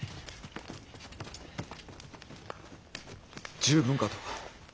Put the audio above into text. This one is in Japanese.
十分かと。